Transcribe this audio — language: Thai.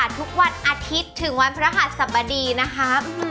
ทุกวันอาทิตย์ถึงวันอาหร่าสับดีนะคะ